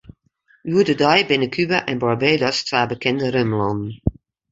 Hjoed-de-dei binne Kuba en Barbados twa bekende rumlannen.